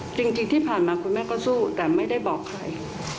จริงที่ผ่านมาคุณแม่ก็สู้แต่ไม่ได้บอกใคร